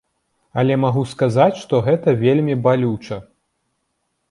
Але магу сказаць, што гэта вельмі балюча.